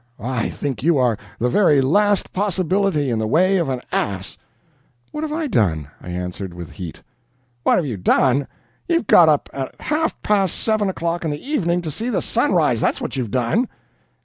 I think you are the very last possibility in the way of an ass." "What have I done?" I answered, with heat. "What have you done? You've got up at half past seven o'clock in the evening to see the sun rise, that's what you've done."